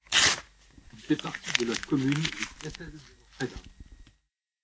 Il fait partie de la commune Micieces de Ojeda.